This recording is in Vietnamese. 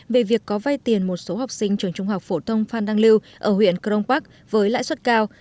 về việc có vai tiền một số học sinh trường trung học phổ thông phan đăng lưu ở huyện crong park với lãi suất cao